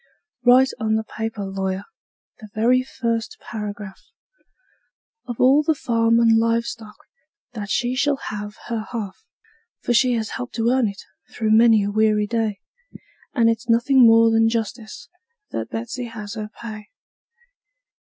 Write on the paper, lawyer the very first paragraph Of all the farm and live stock that she shall have her half; For she has helped to earn it, through many a weary day, And it's nothing more than justice that Betsey has her pay.